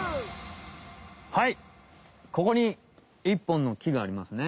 はいここに１ぽんの木がありますね。